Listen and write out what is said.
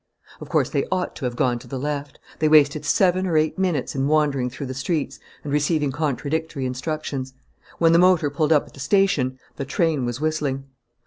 Of course they ought to have gone to the left. They wasted seven or eight minutes in wandering through the streets and receiving contradictory instructions. When the motor pulled up at the station the train was whistling.